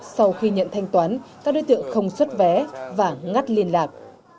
sau khi nhận thanh toán các đối tượng không xuất vé và ngắt liên lạc